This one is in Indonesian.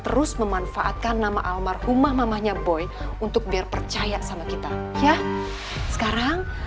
terus memanfaatkan nama almarhumah mamahnya boy untuk biar percaya sama kita ya sekarang